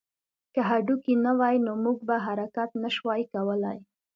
که هډوکي نه وی نو موږ به حرکت نه شوای کولی